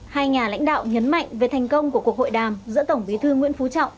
hai nhà lãnh đạo nhấn mạnh về thành công của cuộc hội đàm giữa tổng bí thư nguyễn phú trọng